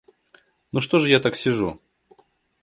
Ну что же я так сижу?